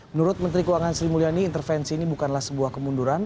menurut menteri keuangan sri mulyani intervensi ini bukanlah sebuah kemunduran